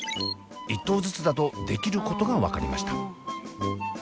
１頭ずつだとできることが分かりました。